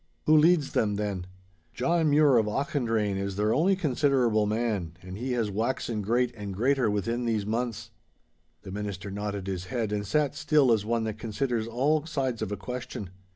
'Who leads them then—?' 'John Mure of Auchendrayne is their only considerable man, and he has waxen great and greater within these months.' The minister nodded his head and sat still as one that considers all sides of a question.